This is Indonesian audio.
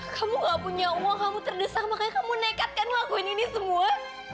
kamu gak punya uang kamu terdesak makanya kamu nekat kan ngelakuin ini semua